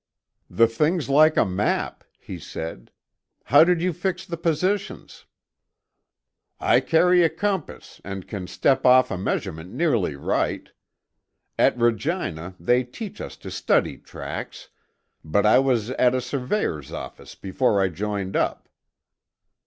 "The thing's like a map," he said. "How did you fix the positions?" "I carry a compass and can step off a measurement nearly right. At Regina they teach us to study tracks, but I was at a surveyor's office before I joined up."